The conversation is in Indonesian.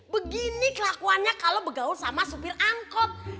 begini kelakuannya kalau begaul sama supir angkot